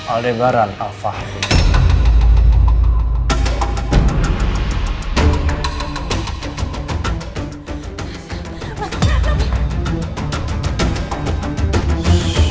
aldebaran al fahmi